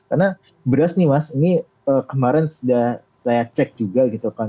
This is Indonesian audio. karena beras nih mas ini kemarin sudah saya cek juga gitu kan